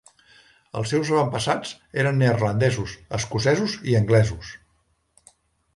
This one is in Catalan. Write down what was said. Els seus avantpassats eren neerlandesos, escocesos i anglesos.